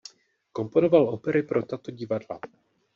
Komponoval opery pro tato divadla.